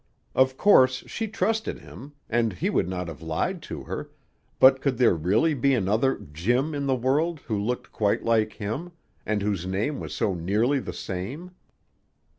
Of course she trusted him, and he would not have lied to her, but could there really be another "Jim" in the world who looked quite like him, and whose name was so nearly the same?